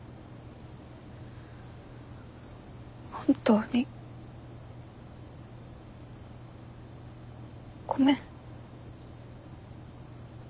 本当にごめん。